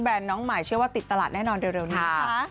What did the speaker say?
แบรนด์น้องหมายเชื่อว่าติดตลาดแน่นอนเร็วนี้ค่ะ